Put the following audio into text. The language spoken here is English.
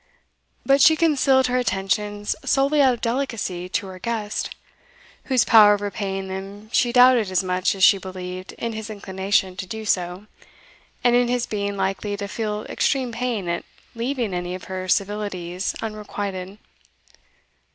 But she concealed her attentions solely out of delicacy to her guest, whose power of repaying them she doubted as much as she believed in his inclination to do so, and in his being likely to feel extreme pain at leaving any of her civilities unrequited.